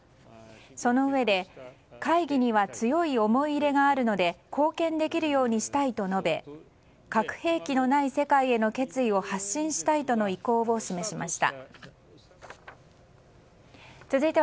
そのうえで会議には強い思い入れがあるので貢献できるようにしたいと述べ核兵器のない世界への決意を発信したいとの意向を示しました。